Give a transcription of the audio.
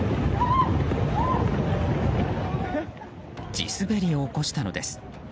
地滑りを起こしたのです。